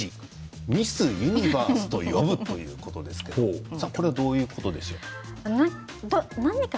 ミスユニバースと呼ぶということですけれどもこれはどういうことでしょうか。